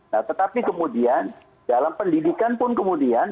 nah tetapi kemudian dalam pendidikan pun kemudian